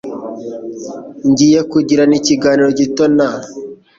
Ngiye kugirana ikiganiro gito na .